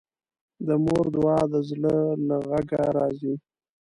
د مور دعا د زړه له غږه راځي